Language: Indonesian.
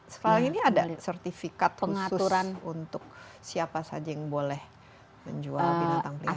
sekarang ini ada sertifikat khusus untuk siapa saja yang boleh menjual binatang peliharaan